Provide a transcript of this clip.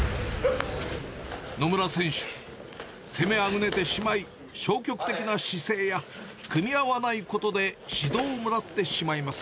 野村選手、攻めあぐねてしまい、消極的な姿勢や、組み合わないことで指導をもらってしまいます。